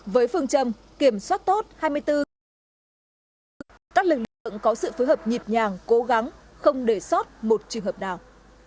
với phương châm kiểm soát tốt hai mươi bốn trên các lực lượng có sự phối hợp nhịp nhàng cố gắng không để sót một trường hợp nào